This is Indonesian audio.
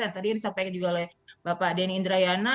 tadi ini disampaikan juga oleh bapak dhani indrayana